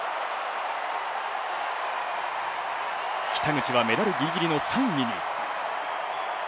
北口はメダルぎりぎりの３位に。